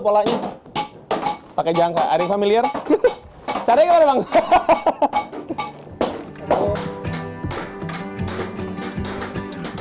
polanya pakai jangka ari familiar caranya gimana bang hahaha